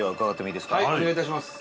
伊達：お願いいたします。